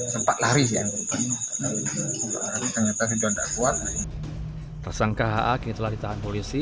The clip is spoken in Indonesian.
sempat lari ya ternyata juga tidak kuat tersangka ha kini telah ditahan polisi